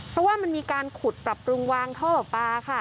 เพราะว่ามันมีการขุดปรับปรุงวางท่อปลาค่ะ